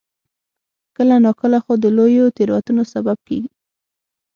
کله ناکله خو د لویو تېروتنو سبب کېږي.